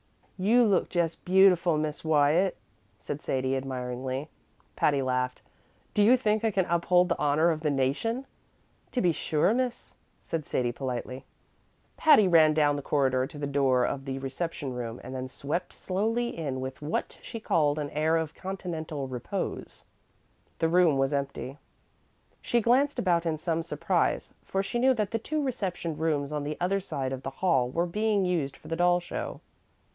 "You look just beautiful, Miss Wyatt," said Sadie, admiringly. Patty laughed. "Do you think I can uphold the honor of the nation?" "To be sure, miss," said Sadie, politely. Patty ran down the corridor to the door of the reception room, and then swept slowly in with what she called an air of continental repose. The room was empty. She glanced about in some surprise, for she knew that the two reception rooms on the other side of the hall were being used for the doll show.